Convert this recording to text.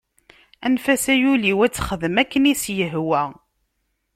Anef-as ay ul-iw ad texdem akken i s-yehwa.